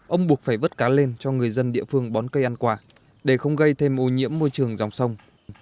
ông buộc phải vớt cá lên cho người dân địa phương bón cây ăn quà để không gây thêm ô nhiễm môi trường dòng sông